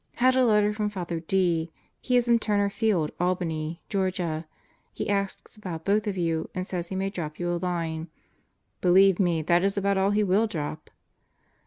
Had a letter from Father D. He is in Turner Field, Albany, Ga. He asks about both of you and says he may drop you a line. (Believe me that is about aU he will drop!)